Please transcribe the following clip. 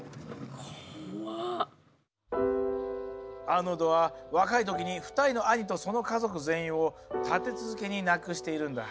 アーノルドは若い時に２人の兄とその家族全員を立て続けに亡くしているんだ。